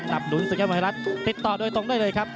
นำนุนสิทธิวรัฐปิดต่อตรงด้วยครับ